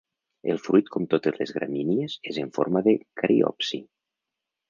El fruit com totes les gramínies és en forma de cariopsi.